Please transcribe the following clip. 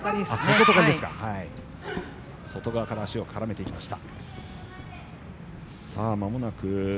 外側から足を絡めました。